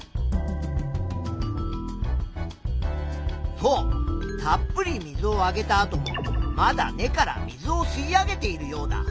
そうたっぷり水をあげたあともまだ根から水を吸い上げているヨウダ。